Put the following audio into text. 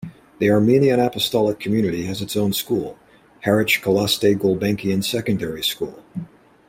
The Armenian Apostolic community has its own school, Haratch Calouste Gulbenkian Secondary School.